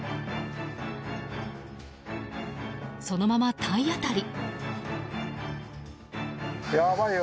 そのまま体当たり！